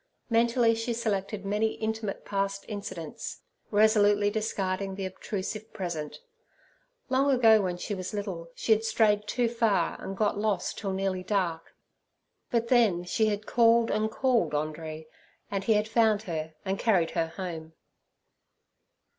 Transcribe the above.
Mentally she selected many intimate past incidents, resolutely discarding the obtrusive present. Long ago, when she was little, she had strayed too far and got lost till nearly dark, but then she had called and called Andree, and he had found her and carried her home.